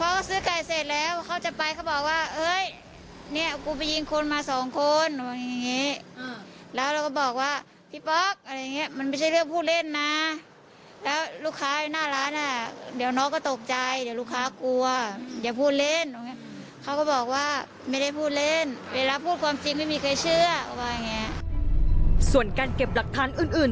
เวลาพูดความจริงไม่มีเคยเชื่อว่าอย่างเงี้ยส่วนการเก็บหลักฐานอื่น